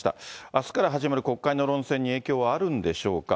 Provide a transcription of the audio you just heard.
あすから始まる国会の論戦に影響はあるんでしょうか。